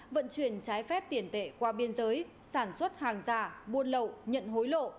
vận chuyển trái phép tiền tệ qua biên giới sản xuất hàng giả buôn lậu nhận hối lộ